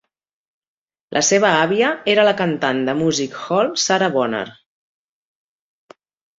La seva àvia era la cantant de music hall Sara Bonner.